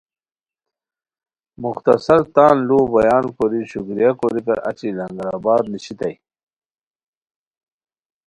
مختصر تا ن ُ لوؤ بیان کوری شکریہ کوریکار اچی لنگر آباد نشیتائے